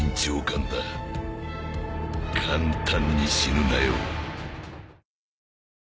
簡単に死ぬなよ。